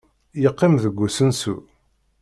Yeqqim deg usensu.